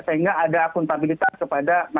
sehingga ada akuntabilitas kepada